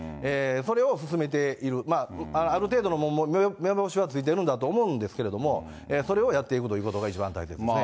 それを進めている、ある程度の目星はついてるんだと思うんですけれども、それをやっていくということが一番大切ですね。